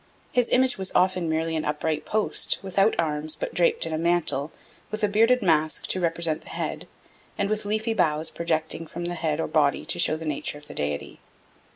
His image was often merely an upright post, without arms, but draped in a mantle, with a bearded mask to represent the head, and with leafy boughs projecting from the head or body to show the nature of the deity.